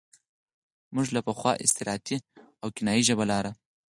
موږ له پخوا استعارتي او کنايي ژبه لاره.